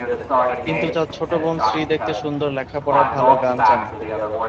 কিন্তু তার ছোট বোন শ্রী দেখতে সুন্দর, লেখাপড়ায় ভালো, গান জানে।